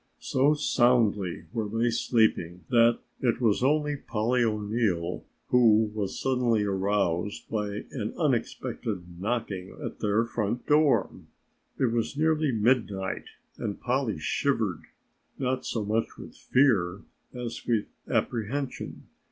So soundly were they sleeping that it was only Polly O'Neill who was suddenly aroused by an unexpected knocking at their front door. It was nearly midnight and Polly shivered, not so much with fear as with apprehension.